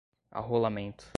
arrolamento